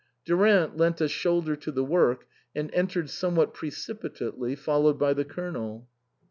Durant lent a shoulder to the work and entered somewhat precipitately, followed by the Colonel.